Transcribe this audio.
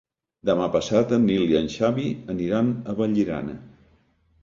Demà passat en Nil i en Xavi aniran a Vallirana.